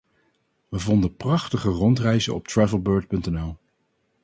We vonden prachtige rondreizen op Travelbird.nl.